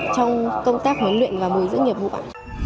trong công tác huấn luyện và mùi giữ nghiệp hữu ả